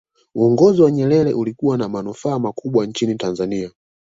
uongozi wa nyerere ulikuwa na manufaa makubwa nchini tanzania